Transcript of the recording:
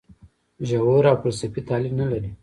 ژور او فلسفي تحلیل نه لري.